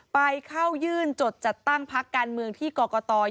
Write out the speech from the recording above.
ไปเข้ายื่นจดจัดตั้งพักการเมืองที่กรกต